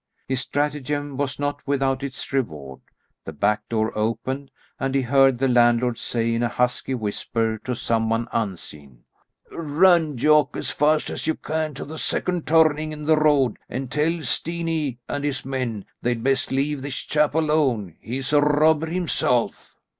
His stratagem was not without its reward. The back door opened, and he heard the landlord say in a husky whisper to some one unseen, "Run, Jock, as fast's you can to the second turning in the road, and tell Steenie and his men they'd best leave this chap alone; he's a robber himself."